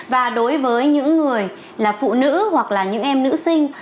và đối với những người là phụ nữ hoặc là những em nữ sinh